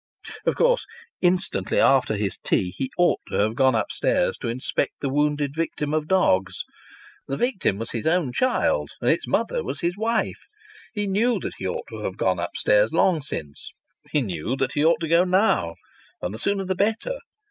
Of course, instantly after his tea he ought to have gone upstairs to inspect the wounded victim of dogs. The victim was his own child, and its mother was his wife. He knew that he ought to have gone upstairs long since. He knew that he ought now to go, and the sooner the better!